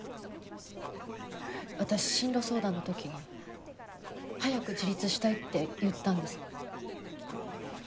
私進路相談の時に早く自立したいって言ったんです。